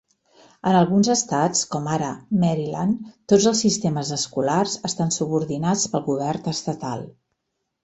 En alguns estats, com ara Maryland, tots els sistemes escolars estan subordinats pel govern estatal.